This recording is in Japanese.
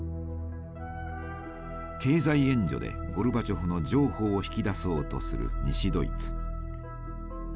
経済援助でゴルバチョフの譲歩を引き出そうとする西ドイツ。